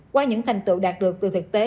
qua những thành tựu đạt được từ thực tế